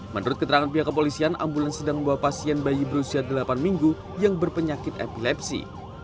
menurut keterangan pihak kepolisian ambulans sedang membawa pasien bayi berusia delapan minggu yang berpenyakit epilepsi